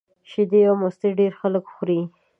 شیدې او مستې ډېری خلک خوري